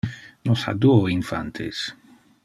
Nos ha duo infantes.